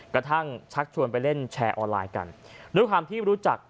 ชักชวนไปเล่นแชร์ออนไลน์กันด้วยความที่รู้จัก